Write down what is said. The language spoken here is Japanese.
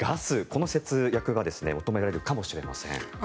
この節約が求められるかもしれません。